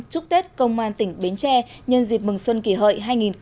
chúc tết công an tỉnh bến tre nhân dịp mừng xuân kỳ hợi hai nghìn một mươi chín